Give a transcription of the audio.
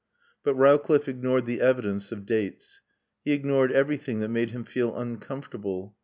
But Rowcliffe ignored the evidence of dates. He ignored everything that made him feel uncomfortable.